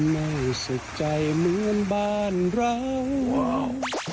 ไม่สุขใจเหมือนบ้านเรา